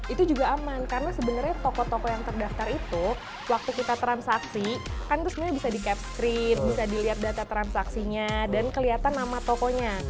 itu juga aman karena sebenarnya toko toko yang terdaftar itu waktu kita transaksi kan itu sebenarnya bisa di cap screen bisa dilihat data transaksinya dan kelihatan nama tokonya